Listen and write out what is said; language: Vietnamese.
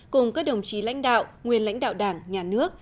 cùng các đồng chí lãnh đạo nguyên lãnh đạo đảng nhà nước